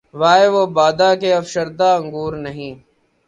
وائے! وہ بادہ کہ‘ افشردۂ انگور نہیں